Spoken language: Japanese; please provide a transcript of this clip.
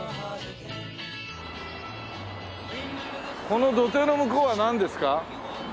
この土手の向こうはなんですか？